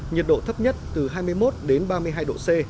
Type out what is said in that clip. nhiệt độ thấp nhất từ hai mươi một đến ba mươi hai độ c